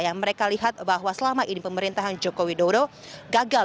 yang mereka lihat bahwa selama ini pemerintahan joko widodo gagal